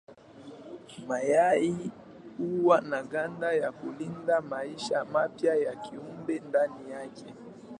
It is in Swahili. Mayai huwa na ganda ya kulinda maisha mapya ya kiumbe ndani yake.